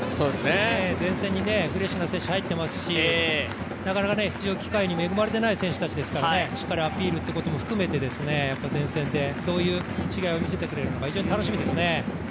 前線にフレッシュな選手も入っていますし、なかなか出場機会に恵まれていない選手たちですからしっかりアピールということも含めて前線でどういう違いを見せてくれるかが非常に楽しみですね。